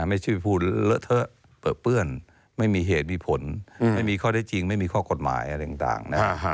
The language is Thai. ไม่ใช่พูดเลอะเทอะเปลือเปื้อนไม่มีเหตุมีผลไม่มีข้อได้จริงไม่มีข้อกฎหมายอะไรต่างนะ